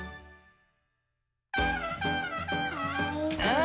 あ